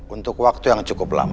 untuk waktu yang cukup lama